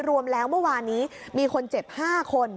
รวมแล้วเมื่อวานนี้มีคนเจ็บ๕คน